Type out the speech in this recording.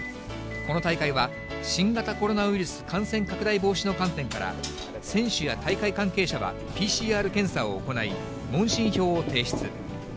この大会は、新型コロナウイルス感染拡大防止の観点から、選手や大会関係者はＰＣＲ検査を行い、問診票を提出。